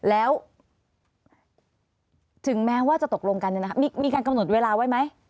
แล้วถึงแม้ว่าจะตกลงกันมีการกำหนดเวลาไว้ไหม